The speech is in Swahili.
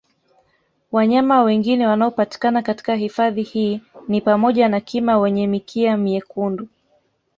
Wanyama wengine wanaopatikana katika hifadhi hii ni pamoja na Kima wenye mikia myekundu